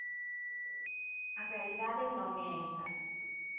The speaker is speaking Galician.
A realidade non é esa.